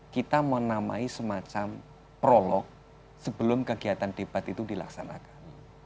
kita menamai semacam prolog sebelum kegiatan debat itu dilaksanakan